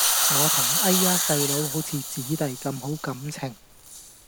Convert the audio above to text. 我同哎呀細佬好似姊弟咁好感情